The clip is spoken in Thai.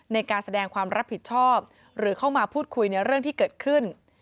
ในการแสดงความรับผิดชอบหรือเข้ามาพูดคุยในเรื่องที่เกิดขึ้น